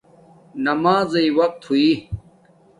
نمازݵ وقت ہویݵ